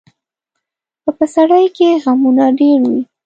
په پسرلي کې غمونه ډېر وي.